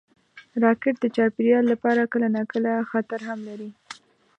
راکټ د چاپېریال لپاره کله ناکله خطر هم لري